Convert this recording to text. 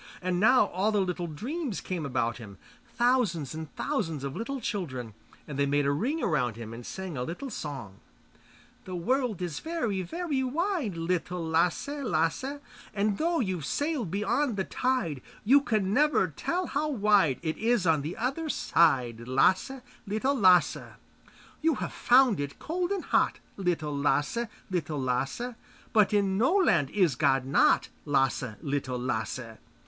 And now all the little dreams came about him, thousands and thousands of little children, and they made a ring around him and sang a little song: The world is very, very wide, Little Lasse, Lasse, And though you've sailed beyond the tide, You can never tell how wide It is on the other side, Lasse, Little Lasse. You have found it cold and hot, Little Lasse, Lasse; But in no land is God not, Lasse, Little Lasse.